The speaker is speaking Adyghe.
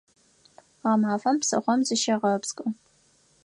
Гъэмафэм псыхъом зыщыгъэпскӏ!